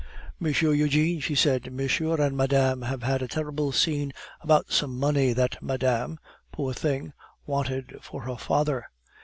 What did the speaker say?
"Monsieur Eugene," she said, "monsieur and madame have had a terrible scene about some money that Madame (poor thing!) wanted for her father.